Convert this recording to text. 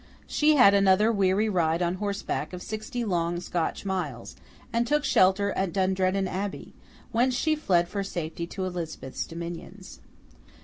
She had another weary ride on horse back of sixty long Scotch miles, and took shelter at Dundrennan Abbey, whence she fled for safety to Elizabeth's dominions.